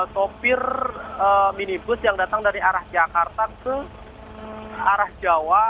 sopir minibus yang datang dari arah jakarta ke arah jawa